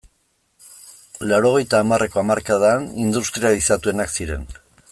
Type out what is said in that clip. Laurogeita hamarreko hamarkadan industrializatuenak ziren.